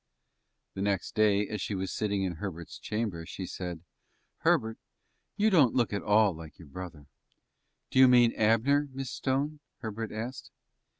The next day, as she was sitting in Herbert's chamber, she said: "Herbert, you don't look at all like your brother." "Do you mean Abner, Miss Stone?" Herbert asked.